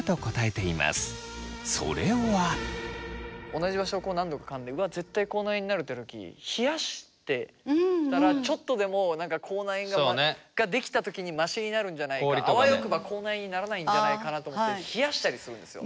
同じ場所をこう何度かかんでうわ絶対口内炎になるって時冷やしてたらちょっとでも口内炎が出来た時にマシになるんじゃないかあわよくば口内炎にならないんじゃないかなと思って冷やしたりするんですよ。